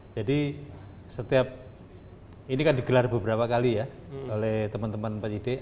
jadi setiap ini kan digelar beberapa kali ya oleh teman teman penyidik